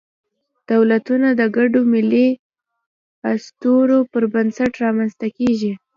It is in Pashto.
دولتونه د ګډو ملي اسطورو پر بنسټ رامنځ ته کېږي.